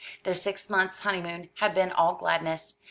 Their six months' honeymoon had been all gladness.